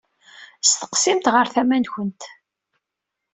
Steqsimt ɣer tama-nkent.